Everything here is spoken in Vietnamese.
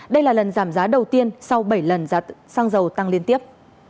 đây là lần giảm giá đầu tiên sau bảy lần giá xăng dầu tăng liên tiếp